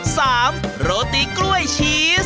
โรตีกล้วยชีส